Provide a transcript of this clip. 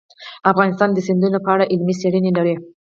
افغانستان د سیندونه په اړه علمي څېړنې لري.